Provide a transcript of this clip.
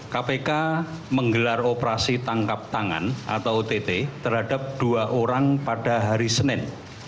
kpk menggelar operasi tangkap tangan atau ott terhadap dua orang pada hari senin